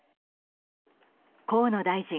河野大臣